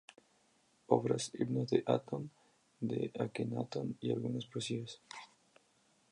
Obras: Himno a Atón, de Akenatón, y algunas poesías.